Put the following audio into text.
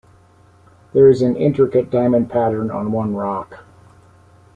There also is an intricate diamond pattern on one rock.